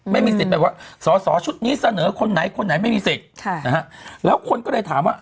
ไม่มีสิทธิ์แบบว่าสอสอชุดนี้เสนอคนไหนคนไหนไม่มีสิทธิ์ค่ะนะฮะแล้วคนก็เลยถามว่า